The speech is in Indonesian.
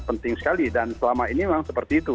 penting sekali dan selama ini memang seperti itu